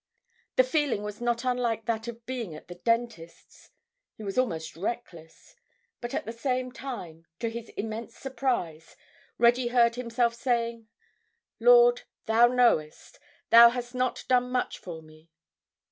The feeling was not unlike that of being at the dentist's; he was almost reckless. But at the same time, to his immense surprise, Reggie heard himself saying, "Lord, Thou knowest, Thou hast not done much for me...."